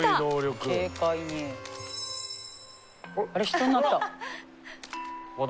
人になった。